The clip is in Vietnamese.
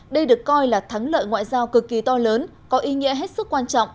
đây được coi là thắng lợi ngoại giao cực kỳ to lớn có ý nghĩa hết sức quan trọng